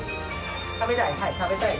食べたい。